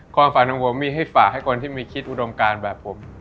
ความฝันของผมมีให้ฝากให้คนที่มีคิดอุดมการแบบผม